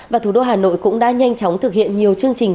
và thủ đô hà nội cũng đã nhanh chóng thực hiện nhiều chương trình